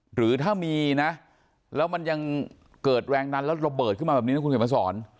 หรือถ้ามีนะแล้วมันยังเกิดแรงดันแล้วระเบิดขึ้นมาแบบนี้นะคุณเขียนมาสอน